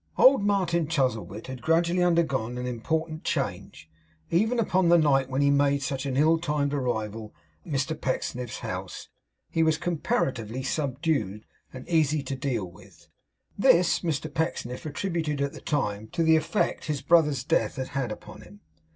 Old Martin Chuzzlewit had gradually undergone an important change. Even upon the night when he made such an ill timed arrival at Mr Pecksniff's house, he was comparatively subdued and easy to deal with. This Mr Pecksniff attributed, at the time, to the effect his brother's death had had upon him.